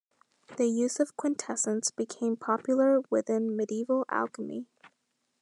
The use of quintessence became popular within medieval alchemy.